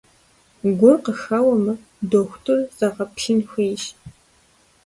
Гур къыхэуэмэ, дохутыр зэгъэплъын хуейщ.